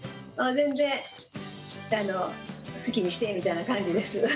全然、好きにしてみたいな感じです。